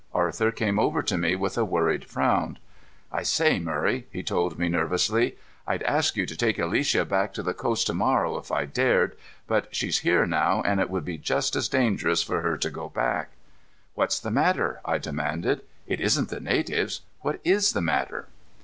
Arthur came over to me with a worried frown. "I say, Murray," he told me nervously. "I'd ask you to take Alicia back to the coast to morrow if I dared, but she's here now, and it would be just as dangerous for her to go back." "What's the matter?" I demanded. "It isn't the natives. What is the matter?"